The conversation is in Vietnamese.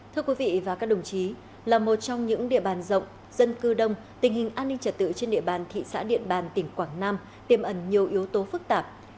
thưa quý vị và các đồng chí là một trong những địa bàn rộng dân cư đông tình hình an ninh trật tự trên địa bàn thị xã điện bàn tỉnh quảng nam tiềm ẩn nhiều yếu tố phức tạp